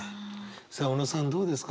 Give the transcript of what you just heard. さあ小野さんどうですか？